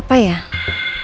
apa yang terjadi